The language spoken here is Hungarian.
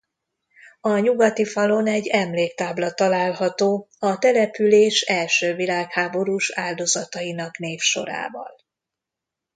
A nyugati falon egy emléktábla található a település első világháborús áldozatainak névsorával.